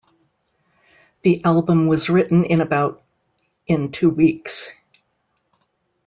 The album was written in about in two weeks.